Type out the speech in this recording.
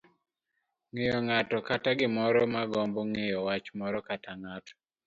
ng'eyo ng'ato kata gimoro. margombo ng'eyo wach moro kata ng'ato.